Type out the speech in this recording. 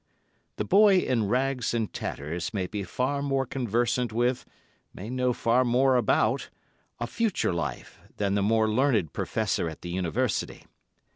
The boy in rags and tatters may be far more conversant with—may know far more about—a future life than the more learned Professor at the University.